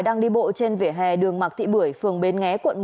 đang đi bộ trên vỉa hè đường mạc thị bưởi phường bến nghé quận một